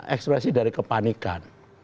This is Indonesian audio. ekspresi dari kepanikan